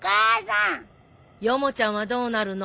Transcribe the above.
ヨモちゃんはどうなるの？